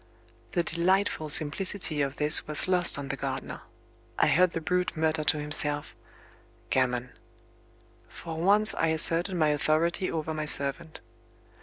The delightful simplicity of this was lost on the gardener. I heard the brute mutter to himself: "Gammon!" For once I asserted my authority over my servant.